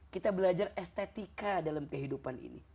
kita belajar estetika dalam kehidupan ini